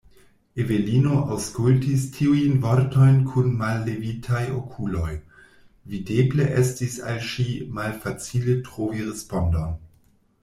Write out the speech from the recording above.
Evelino aŭskultis tiujn vortojn kun mallevitaj okuloj; videble estis al ŝi malfacile trovi respondon.